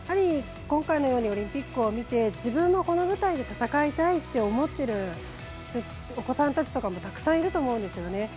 今回のようにオリンピックを見て自分も、この舞台で戦いたいって思っているお子さんたちもたくさんいると思うんですよね。